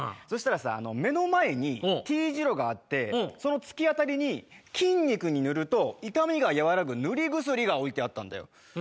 そしたらさ目の前に丁字路があってその突き当たりに筋肉に塗ると痛みが和らぐ塗り薬が置いてあったんだよ。